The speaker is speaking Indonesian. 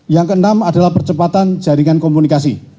yang keenam adalah percepatan jaringan komunikasi